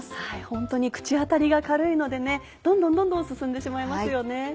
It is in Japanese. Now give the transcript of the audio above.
ホントに口当たりが軽いのでどんどんどんどん進んでしまいますよね。